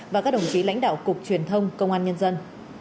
và các đồng chí lãnh đạo cục truyền thông công an nhân dân